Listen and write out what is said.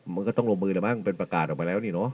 มันก็ต้องลงมือได้บรรท์เป็นประกาศออกไปแล้ว